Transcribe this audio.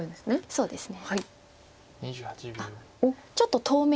そうですね。